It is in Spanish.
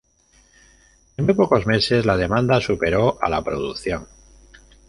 En muy pocos meses la demanda superó a la producción.